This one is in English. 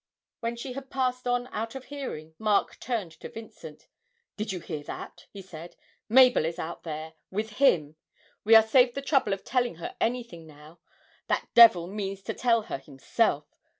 When she had passed on out of hearing, Mark turned to Vincent. 'Did you hear that?' he said. 'Mabel is out there ... with him we are saved the trouble of telling her anything now ... that devil means to tell her himself!